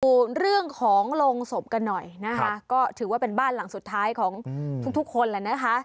ดูเรื่องของโรงศพกันหน่อยนะคะก็ถือว่าเป็นบ้านหลังสุดท้ายของทุกทุกคนแหละนะคะ